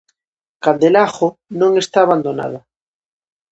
Candelagho non está abandonada.